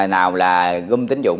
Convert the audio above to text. nào là gung tính dụng